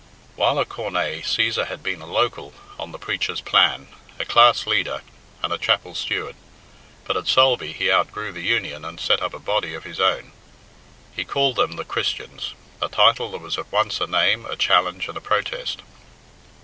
While at Cornaa, Cæsar had been a "local" on the preachers' plan, a class leader, and a chapel steward; but at Sulby he outgrew the Union and set up a "body" of his own. He called them "The Christians." a title that was at once a name, a challenge, and a protest.